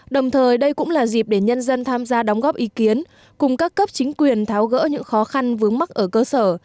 đồng thời đây cũng là dịp để nhân dân tham gia đóng góp ý kiến cùng các cấp chính quyền tháo gỡ những khó khăn vướng mắt ở cơ sở